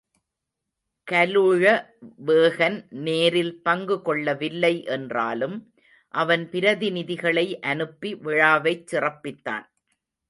கலுழவேகன் நேரில் பங்கு கொள்ளவில்லை என்றாலும் அவன் பிரதிநிதிகளை அனுப்பி விழாவைச் சிறப்பித்தான்.